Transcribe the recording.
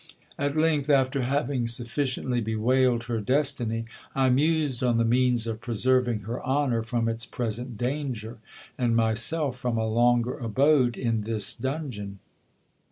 At length, after having sufficiently bewailed her destiny, I mused on the means of preserving her y honour from its present danger, and myself from a longer abode in this dungeon.